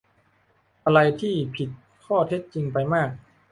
อะไรที่ผิดข้อเท็จจริงไปมาก